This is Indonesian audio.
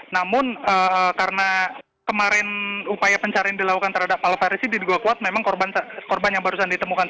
namun karena kemarin upaya pencarian dilakukan